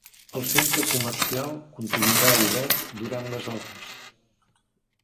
El centre comercial continuarà obert durant les obres.